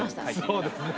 そうですね。